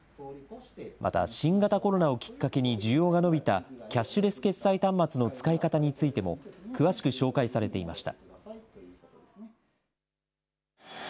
また、新型コロナをきっかけに需要が伸びたキャッシュレス決済端末の使い方についても、詳しく紹介されていました。